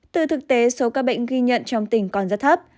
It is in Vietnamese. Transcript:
từ thực tế số ca bệnh ghi nhận trong tỉnh còn rất thấp